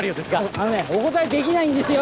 あのねお答えできないんですよ。